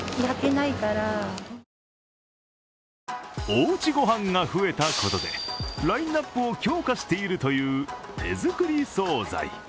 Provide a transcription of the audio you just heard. おうち御飯が増えたことでラインナップを強化しているという手作り総菜。